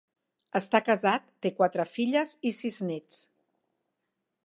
Està casat, té quatre filles i sis nets.